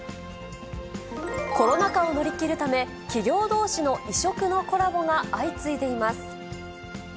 コロナ禍を乗り切るため、企業どうしの異色のコラボが相次いでいます。